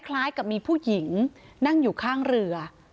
คล้ายกับมีผู้หญิงนั่งอยู่ข้างเรือ